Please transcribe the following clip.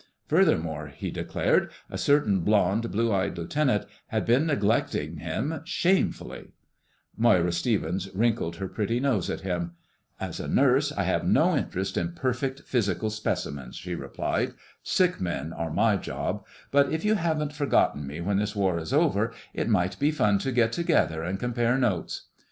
Furthermore, he declared, a certain blonde, blue eyed lieutenant had been neglecting him shamefully. [Illustration: "I'll Be Back as Soon as the Nurse Will Let Me."] Moira Stevens wrinkled her pretty nose at him. "As a nurse I have no interest in perfect physical specimens," she replied. "Sick men are my job. But if you haven't forgotten me when this war is over, it might be fun to get together and compare notes."